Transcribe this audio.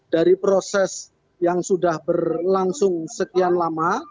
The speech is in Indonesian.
dari proses yang sudah berlangsung sekian lama